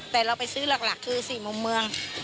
แต่เราไปซื้อหลักคือ๔มุมเมือง